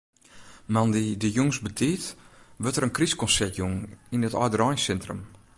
Moandei de jûns betiid wurdt der in krystkonsert jûn yn it âldereinsintrum.